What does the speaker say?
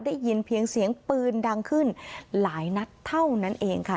ได้ยินเสียงปืนดังขึ้นหลายนัดเท่านั้นเองค่ะ